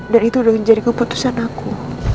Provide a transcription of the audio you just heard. dan itu udah menjadi keputusan aku